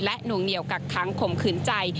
และหนุ่งเหนียวกักค้างขมขืนใจ